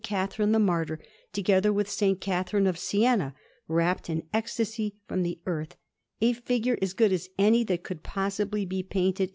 Catherine the Martyr, together with a S. Catherine of Siena, rapt in ecstasy from the earth, a figure as good as any that could possibly be painted in that manner.